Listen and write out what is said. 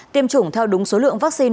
tiêm chủng theo đúng số lượng vaccine